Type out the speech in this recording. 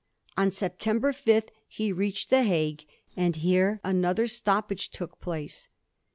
On September 5 he reached the Hague, and here another stoppage took place.